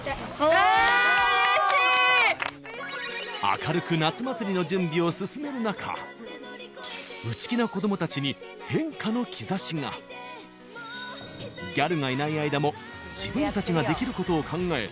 明るく夏祭りの準備を進める中内気な子ども達に変化の兆しがギャルがいない間も自分達ができることを考え